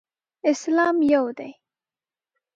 اسلام یو دی.